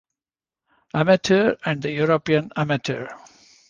Amateur and the European Amateur.